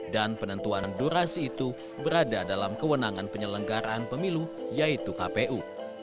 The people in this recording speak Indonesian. dan penentuan durasi itu berada dalam kewenangan penyelenggaraan pemilu yaitu kpu